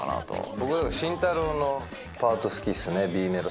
僕、慎太郎のパート、好きですね、Ｂメロ。